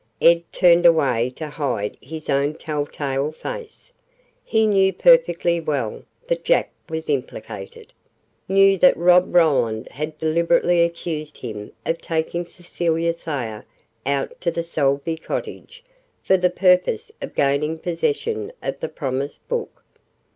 Ed turned away to hide his own tell tale face. He knew perfectly well that Jack was implicated, knew that Rob Roland had deliberately accused him of taking Cecilia Thayer out to the Salvey cottage for the purpose of gaining possession of the promise book.